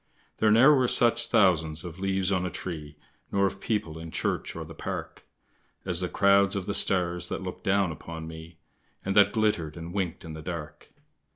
There ne'er were such thousands of leaves on a tree Nor of people in church or the Park, As the crowds of the stars that looked down upon me, And that glittered and winked in the dark.